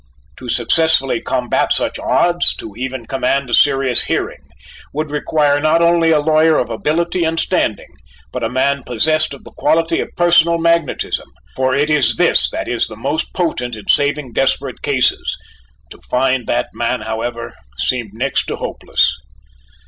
To successfully combat such odds, to even command a serious hearing, would require not only a lawyer of ability and standing, but a man possessed of the quality of personal magnetism: for it is this that is most potent in saving desperate cases. To find that man, however, seemed next to hopeless.